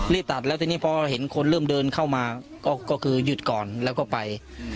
ตัดแล้วทีนี้พอเห็นคนเริ่มเดินเข้ามาก็คือหยุดก่อนแล้วก็ไป